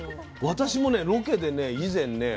私もロケで以前ね